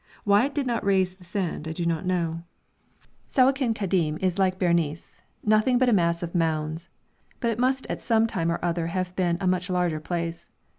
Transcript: Why it did not raise the sand I do not know. Sawakin Kadim is like Berenice, nothing but a mass of mounds, but it must at some time or another have been a much larger place.